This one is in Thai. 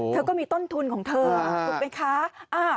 เธอก็มีต้นทุนของเธอถูกไหมคะ